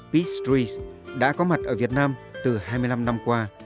peace trees đã có mặt ở việt nam từ hai mươi năm năm qua